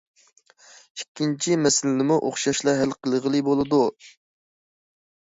ئىككىنچى مەسىلىنىمۇ ئوخشاشلا ھەل قىلغىلى بولىدۇ.